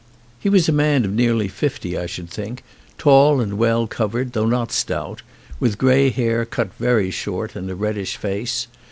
He was a man of nearly fifty, I should think, tall and well covered through not stout, with grey hair cut very short and a reddish face.